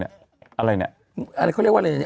เขาเรียกว่าอะไรไง